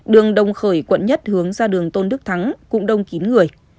đường đông khởi quận nhất hướng ra đường tôn đức thắng cũng đông kín người